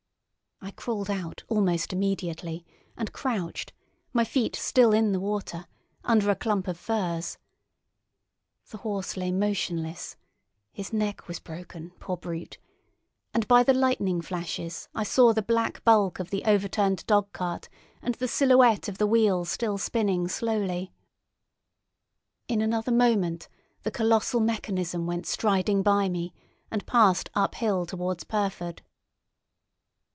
I crawled out almost immediately, and crouched, my feet still in the water, under a clump of furze. The horse lay motionless (his neck was broken, poor brute!) and by the lightning flashes I saw the black bulk of the overturned dog cart and the silhouette of the wheel still spinning slowly. In another moment the colossal mechanism went striding by me, and passed uphill towards Pyrford.